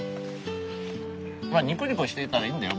まあニコニコしていたらいいんだよ。